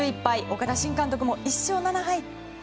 岡田新監督も１勝７敗。